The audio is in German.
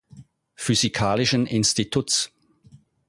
Physikalischen Instituts.